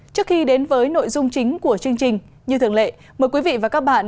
trước khi đến với nội dung chính của chương trình như thường lệ mời quý vị và các bạn